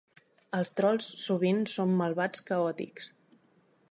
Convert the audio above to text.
Els trols sovint són malvats caòtics.